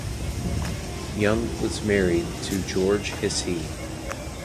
Young was married to George Hsieh.